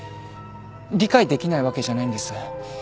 理解できないわけじゃないんです。